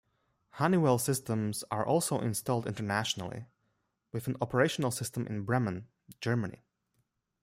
Honeywell systems are also installed internationally, with an operational system in Bremen, Germany.